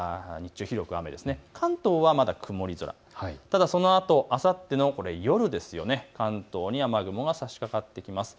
関東はまだ曇り空、ただそのあとあさっての夜、関東に雨雲がさしかかってきます。